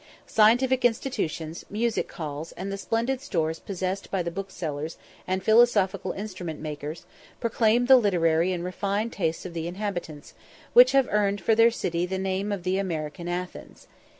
Scientific institutions, music halls, and the splendid stores possessed by the booksellers and philosophical instrument makers, proclaim the literary and refined tastes of the inhabitants, which have earned for their city the name of the "American Athens."